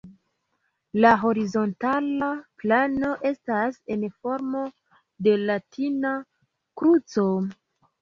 La horizontala plano estas en formo de latina kruco.